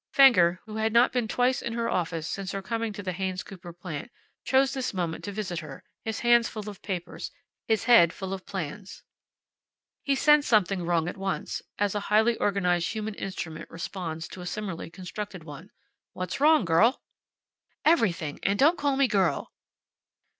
Fenger, who had not been twice in her office since her coming to the Haynes Cooper plant, chose this moment to visit her, his hands full of papers, his head full of plans. He sensed something wrong at once, as a highly organized human instrument responds to a similarly constructed one. "What's wrong, girl?" "Everything. And don't call me girl."